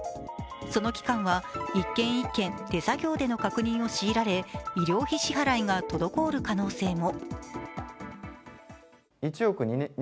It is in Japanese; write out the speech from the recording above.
その機関は１件１件、手作業での確認を強いられ医療費支払いが滞る可能性も。